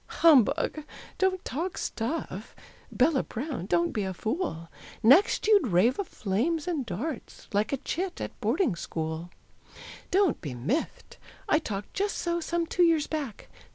Humbug. Don't talk stuff! Bella Brown, don't be a fool! Next you'd rave of flames and darts, Like a chit at boarding school; Don't be "miffed." I talked just so Some two years back.